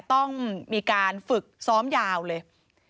ต้องมีการฝึกซ้อมยาวเลย